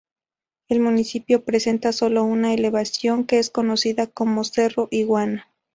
El municipio presenta sólo una elevación, que es conocida como "Cerro Iguana".